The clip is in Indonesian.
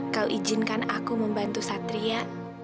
kau izinkan aku membantu satria